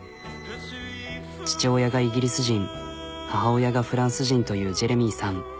父親がイギリス人母親がフランス人というジェレミーさん。